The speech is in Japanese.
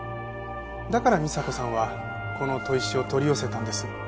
だから美沙子さんはこの砥石を取り寄せたんです。